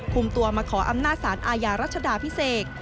คุมตัวมาขออำนาจสารอาญารัชดาพิเศษ